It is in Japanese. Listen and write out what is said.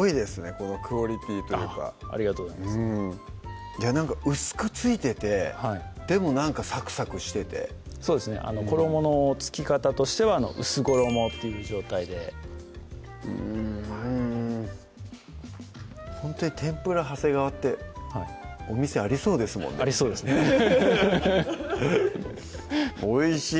このクオリティーというかありがとうございます薄く付いててでもなんかサクサクしててそうですね衣の付き方としては薄衣という状態でうんほんとに天ぷら長谷川ってお店ありそうですもんねありそうですねおいしい！